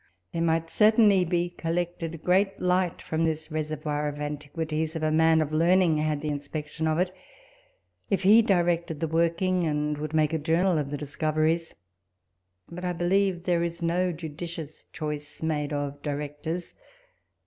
There might certainly be collected great light from this reservoir of antiquities, if a man of learning had the inspection of it ; if he directed the working, and would make a journal of the dis coveries. But I believe there is no judicious choice made of directors.